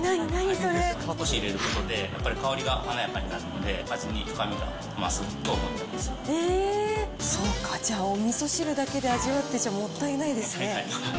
少し入れることで、香りが華やかになるので味に深みが増すと思っえー、そうか、じゃあ、おみそ汁だけ味わってちゃもったいないですね。